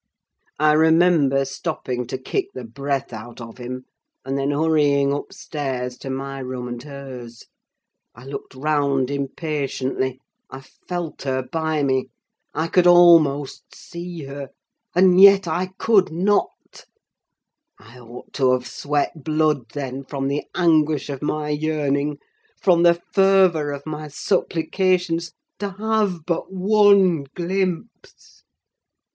I remember stopping to kick the breath out of him, and then hurrying upstairs, to my room and hers. I looked round impatiently—I felt her by me—I could almost see her, and yet I could not! I ought to have sweat blood then, from the anguish of my yearning—from the fervour of my supplications to have but one glimpse!